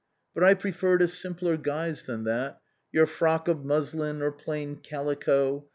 " But I preferred a simpler guise than that. Your frock of muslin or phiin calico.